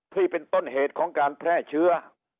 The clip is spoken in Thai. ที่เป็นต้นเหตุของการแพร่เชื้อ